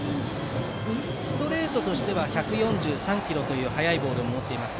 ストレートとしては１４３キロというボールを持っています。